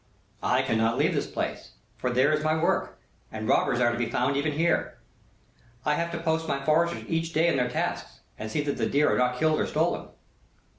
"I cannot leave this place; for there is my work, and robbers are to be found even here. I have to post my foresters each day in their tasks, and see that the deer be not killed and stolen."